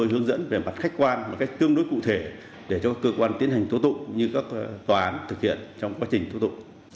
hướng dẫn về mặt khách quan và cách tương đối cụ thể để cho cơ quan tiến hành tố tụ như các tòa án thực hiện trong quá trình tố tụ